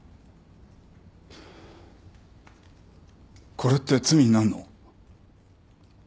これって罪になんの？